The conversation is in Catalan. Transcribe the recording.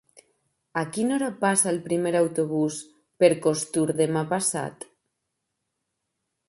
A quina hora passa el primer autobús per Costur demà passat?